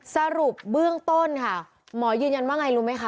สรุปเบื้องต้นค่ะหมอยืนยันว่าไงรู้ไหมคะ